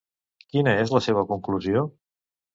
Quina és la seva conclusió?